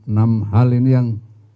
enam hal ini yang